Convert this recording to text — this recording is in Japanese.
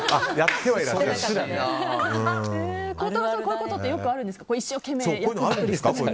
孝太郎さん、こういうことってよくあるんですか。